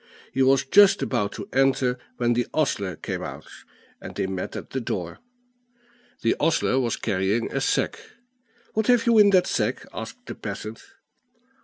He was just about to enter when the ostler came out, and they met at the door. The ostler was carrying a sack. "What have you in that sack?" asked the peasant.